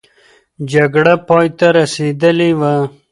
جګړه پای ته رسېدلې وه.